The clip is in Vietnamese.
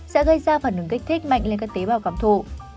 sẽ gây ra phản ứng kích thích mạnh lên các tế bào cảm thụ